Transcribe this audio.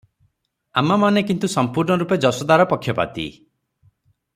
ଆମାମାନେ କିନ୍ତୁ ସମ୍ପୂର୍ଣ୍ଣରୂପେ ଯଶୋଦାର ପକ୍ଷପାତୀ ।